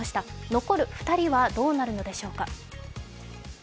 残る２人はどうなるのでしょうか。